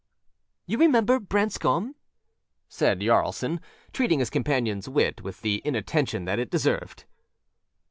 â âYou remember Branscom?â said Jaralson, treating his companionâs wit with the inattention that it deserved.